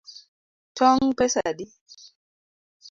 Tong’ pesa adi?